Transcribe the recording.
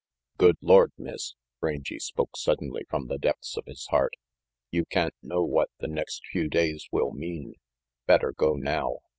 "Good Lord, Miss," Rangy spoke suddenly from the depths of his heart, "you can't know what the next few days will mean better go now.